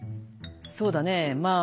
「そうだねぇまあ